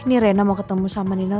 ini reina mau ketemu sama nino